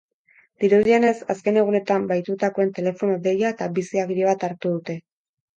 Dirudienez, azken egunetan bahitutakoen telefono deia eta bizi-agiri bat hartu dute.